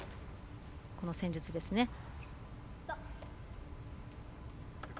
この戦術ですね。